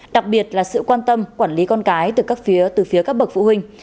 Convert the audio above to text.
đặc biệt là sự quan tâm quản lý con cái từ phía các bậc phụ huynh